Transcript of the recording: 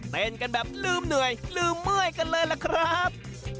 เต้นกันแบบลืมเหนื่อยลืมเมื่อยกันเลยล่ะครับ